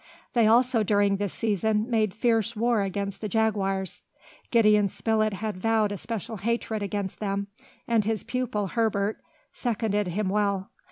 They also, during this season, made fierce war against the jaguars. Gideon Spilett had vowed a special hatred against them, and his pupil Herbert seconded him well.